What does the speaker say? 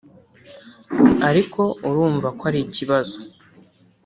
ariko urumva ko ari ikibazo